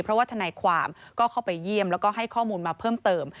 เพราะว่าทนายความก็เข้าไปเยี่ยมแล้วก็ให้ข้อมูลมาเพิ่มเติม